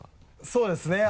そうですね。